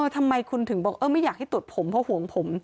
ทำไมคุณถึงบอกไม่อยากให้ตรวจผมเพราะห่วงผม